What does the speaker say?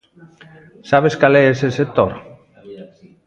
Sabes cal é ese sector?